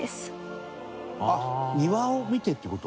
あっ庭を見てって事？